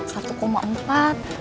satu koma empat